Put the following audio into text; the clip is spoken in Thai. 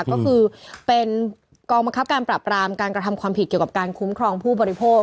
ก็คือเป็นกองบังคับการปรับรามการกระทำความผิดเกี่ยวกับการคุ้มครองผู้บริโภค